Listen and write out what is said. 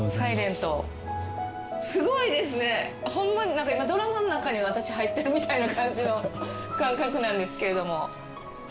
何か今ドラマの中に私入ってるみたいな感じの感覚なんですけれども。